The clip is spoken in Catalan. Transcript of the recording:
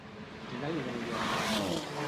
Quin aliment li agrada molt?